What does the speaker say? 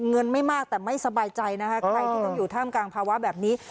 เงินไม่มากแต่ไม่สบายใจนะคะใครที่ต้องอยู่ท่ามกลางภาวะแบบนี้